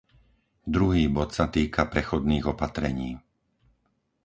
Druhý bod sa týka prechodných opatrení.